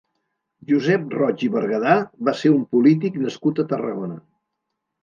Josep Roig i Bergadà va ser un polític nascut a Tarragona.